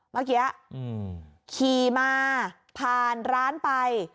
เมื่อกี้ขี่มาผ่านร้านไป